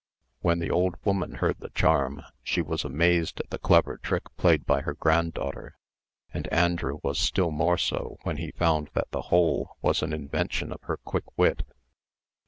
When the old woman heard the charm, she was amazed at the clever trick played by her granddaughter; and Andrew was still more so when he found that the whole was an invention of her quick wit.